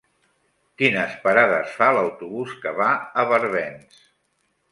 Quines parades fa l'autobús que va a Barbens?